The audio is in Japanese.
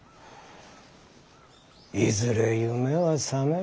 いずれ夢はさめる。